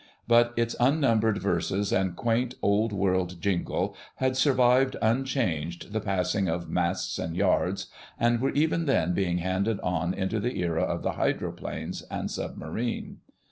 But its unnumbered verses and quaint, old world jingle had survived unchanged the passing of "Masts and Yards," and were even then being handed on into the era of the hydroplane and submarine.